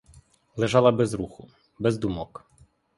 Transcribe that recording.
Лежала без руху, без думок.